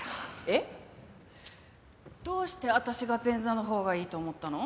えっ？どうして私が前座のほうがいいと思ったの？